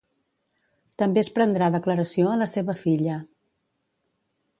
També es prendrà declaració a la seva filla.